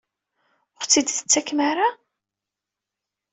Ur aɣ-t-id-tettakem ara?